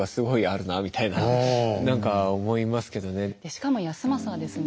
しかも康政はですね